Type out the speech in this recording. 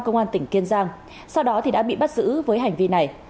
công an tỉnh kiên giang sau đó đã bị bắt giữ với hành vi này